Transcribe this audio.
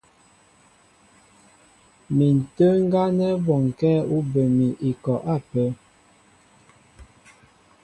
Mi ǹtə́ə́ ŋgá nɛ́ bɔnkɛ́ ú bə mi ikɔ ápə́.